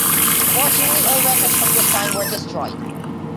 Unfortunately all records from this time were destroyed.